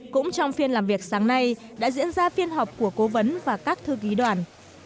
cũng trong phiên làm việc sáng nay đã diễn ra phiên họp của cố vấn và các thư ký đoàn